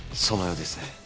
そのようですね。